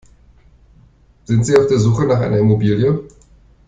Sind Sie auf der Suche nach einer Immobilie?